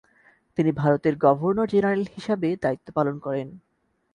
তিনি ভারতের governor general হিসাবে দায়িত্ব পালন করেন।